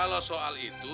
kalau soal itu